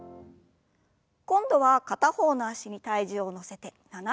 今度は片方の脚に体重を乗せて斜めに。